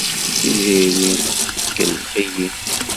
Tiziri tkellex-iyi.